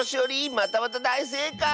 またまただいせいかい！